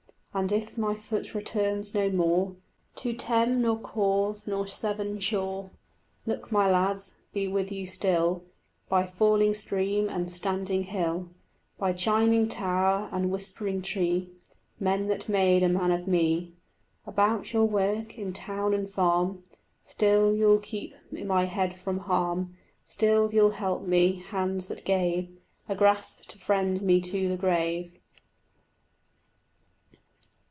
And if my foot returns no more To Teme nor Corve nor Severn shore, Luck, my lads, be with you still By falling stream and standing hill, By chiming tower and whispering tree, Men that made a man of me. About your work in town and farm Still you'll keep my head from harm, Still you'll help me, hands that gave A grasp to friend me to the grave.